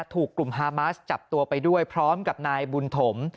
ถูกกลุ่มฮามาสจับตัวไปด้วยพร้อมกับนายบุญถม